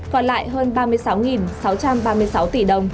còn lại hơn ba mươi sáu sáu trăm ba mươi sáu tỷ đồng